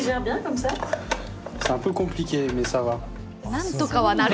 なんとかはなる。